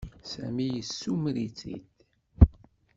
Sami yessumer-it-id.